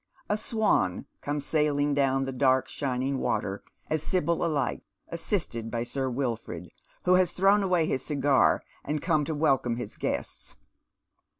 A swan comes sailing down the dark shining water as Sibyl ahghts, assisted by Sir Wilford, who has thrown away his cigar and come to welcome his guests.